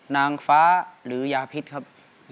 นางฟ้าหรือยาพิษครับ